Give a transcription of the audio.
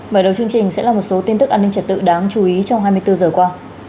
mở đầu chương trình sẽ là một số tin tức an ninh trật tự đáng chú ý trong hai mươi bốn giờ qua